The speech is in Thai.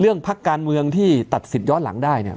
เรื่องพักการเมืองที่ตัดสินย้อนหลังได้เนี่ย